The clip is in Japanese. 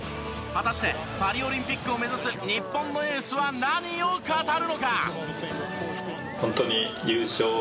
果たしてパリオリンピックを目指す日本のエースは何を語るのか？